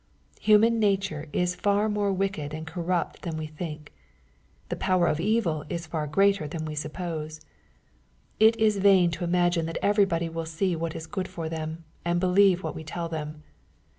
Human nature is more wicked and corrupt than we think The power of evil is far greater than we suppose. It is vain to imagine that everybody will see what is good for them, and believe what we tell them.